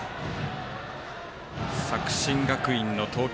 作新学院の投球